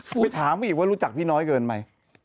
คุณจะแล้วพูดอีกว่ารู้จักพี่น้อยเกินไหม